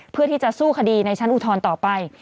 เพื่อที่จะสู้คดีในชั้นอุทธรณ์ต่อไป